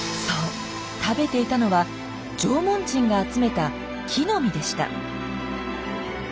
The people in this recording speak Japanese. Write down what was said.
そう食べていたのは縄文人が集めた木の実でした。